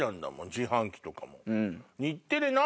自販機とかも。